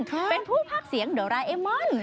เป็นผู้พากษี่งเดอราเอมอน